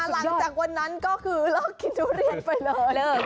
หลังจากนั้นก็คือเลิกกินทุเรียนไปเลย